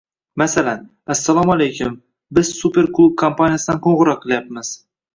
Masalan: — Assalomu alaykum, biz Super klub kompaniyasidan qoʻngʻiroq qilyapmiz.